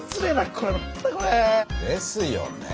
これ何だこれ！ですよね。